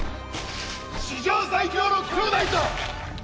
史上最強の兄弟さ！